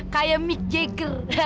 kayak mick jagger